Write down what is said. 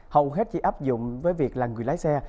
hầu hết chỉ áp dụng với việc là người lái xe